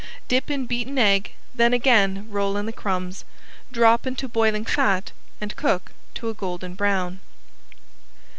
Dip in beaten egg, then again roll in the crumbs, drop into boiling fat and cook to a golden brown.